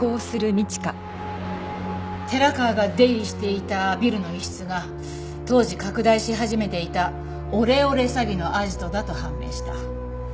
寺川が出入りしていたビルの一室が当時拡大し始めていたオレオレ詐欺のアジトだと判明した。